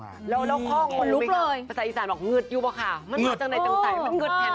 ภาษาอีสานบอกหนึดอยู่ป่ะค่ะ